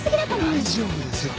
大丈夫ですよ。